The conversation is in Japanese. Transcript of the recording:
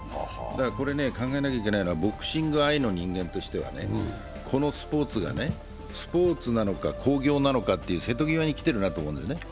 これ考えなきゃいけないのはボクシング愛というかこのスポーツが、スポーツなのか興行なのかという瀬戸際にきてるなと思うんですね。